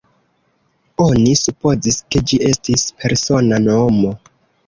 Oni supozis, ke ĝi estis persona nomo.